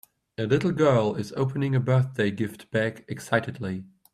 A little girl is opening a birthday gift bag excitedly